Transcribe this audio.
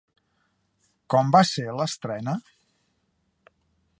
Com va ser l'estrena?